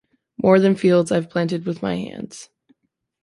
More than fields I've planted with my hands.